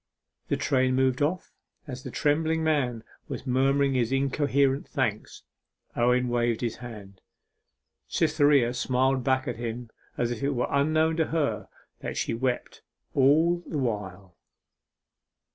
The train moved off as the trembling man was murmuring his incoherent thanks. Owen waved his hand; Cytherea smiled back to him as if it were unknown to her that she wept all the while.